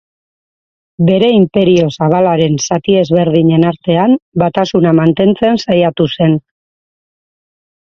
Bere inperio zabalaren zati ezberdinen artean batasuna mantentzen saiatu zen.